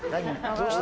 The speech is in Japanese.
どうした？